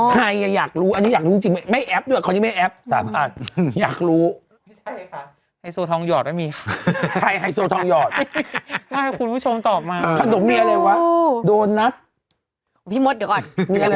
เปลี่ยนแล้วหรือเปลี่ยนแล้วเหรอ